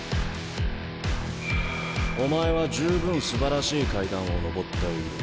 お前は十分すばらしい階段を上っている。